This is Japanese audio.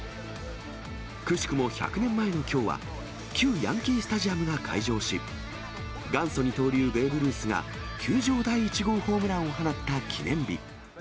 くしくも１００年前のきょうは、旧ヤンキー・スタジアムが開場し、元祖二刀流、ベーブ・ルースが球場第１号ホームランを放った記念日。